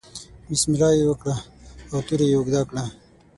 بسم الله یې وکړه او توره یې اوږده کړه.